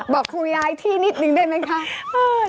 บอกครูย้ายที่นิดนึงได้ไหมคะ